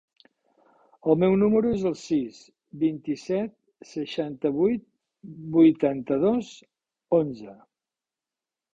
El meu número es el sis, vint-i-set, seixanta-vuit, vuitanta-dos, onze.